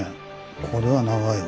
これは長いわ。